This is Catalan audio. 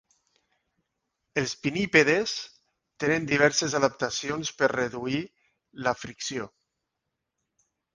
Els pinnípedes tenen diverses adaptacions per reduir la fricció.